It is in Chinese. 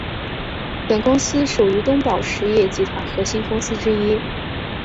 本公司属于东宝实业集团核心公司之一。